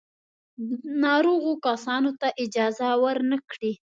ناروغو کسانو ته اجازه ور نه کړي.